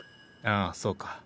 ああそうか。